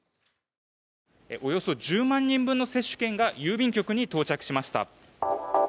およそ１０万人分の接種券が郵便局に到着しました。